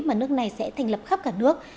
mà nước này sẽ thành lập khắp cả nước